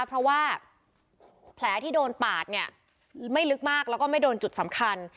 เพราะว่าแผลที่โดนปาดเนี่ยไม่ลึกมากแล้วก็ไม่โดนจุดสำคัญ